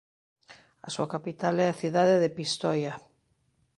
A súa capital é a cidade de Pistoia.